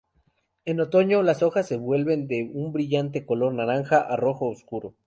En otoño, las hojas se vuelven de un brillante color naranja a rojo oscuro.